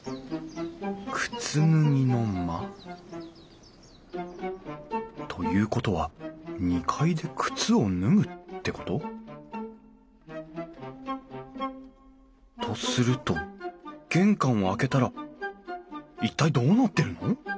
靴脱ぎの間。ということは２階で靴を脱ぐってこと？とすると玄関を開けたら一体どうなってるの？